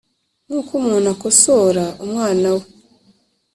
nk’uko umuntu akosora umwana we. “